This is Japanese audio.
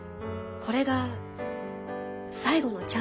これが最後のチャンスだから。